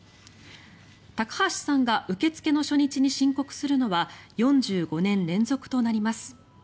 高橋さんが受け付けの初日に申告するのは４５年連続となります。